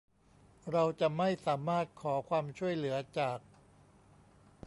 เราจะไม่สามารถขอความช่วยเหลือจาก